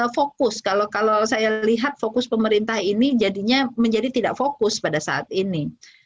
fokus kalau saya lihat fokus pemerintah ini jadinya menjadi tidak fokus pada saat ini